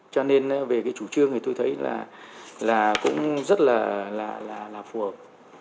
cho nên về cái chủ trương thì tôi thấy là cũng rất là phù hợp